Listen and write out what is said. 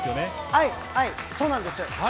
はい、そうなんですよ。